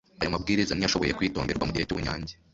Ayo mabwiriza ntiyashoboye kwitonderwa mu gihe cy'ubunyage,